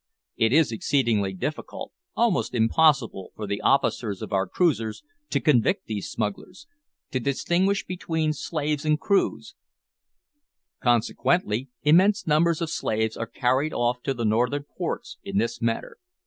It is exceedingly difficult, almost impossible, for the officers of our cruisers to convict these smugglers to distinguish between slaves and crews, consequently immense numbers of slaves are carried off to the northern ports in this manner.